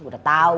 gua udah tau ya